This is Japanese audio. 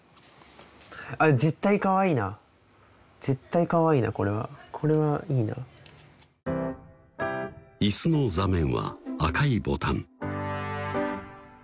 あっ絶対かわいいな絶対かわいいなこれはこれはいいな椅子の座面は赤いボタン